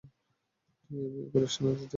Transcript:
তুই এই বিয়ে করিস না, আদিতি!